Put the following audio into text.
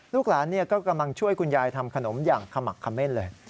ลูกหลานก็กำลังช่วยคุณยายทำขนมอย่างขมักเม่นเลย